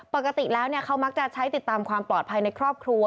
ปกติแล้วเขามักจะใช้ติดตามความปลอดภัยในครอบครัว